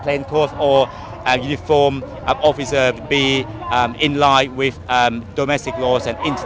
อัวการไม่ใช่ความจริง